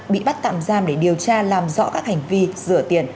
bị bắt tạm giam để điều tra làm rõ các hành vi rửa tiền